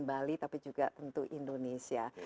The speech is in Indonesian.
bali tapi juga tentu indonesia